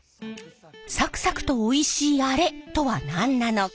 サクサクとおいしいアレとは何なのか？